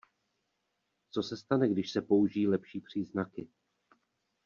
Co se stane, když se použijí lepší příznaky?